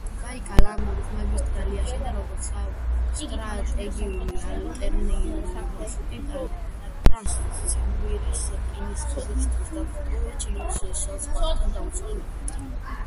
ბაიკალ-ამურის მაგისტრალი აშენდა, როგორც სტრატეგიული ალტერნატიული მარშრუტი ტრანსციმბირის რკინიგზისთვის, განსაკუთრებით ჩინეთის საზღვართან დაუცველ უბნებთან.